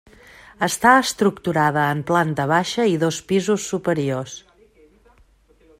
Està estructurada en planta baixa i dos pisos superiors.